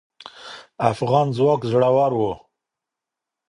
افغان ځواک زړور و